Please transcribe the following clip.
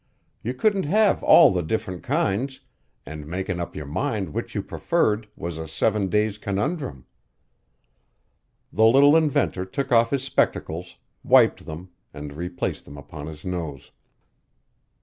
You couldn't have all the different kinds, an' makin' up your mind which you preferred was a seven days' conundrum." The little inventor took off his spectacles, wiped them, and replaced them upon his nose.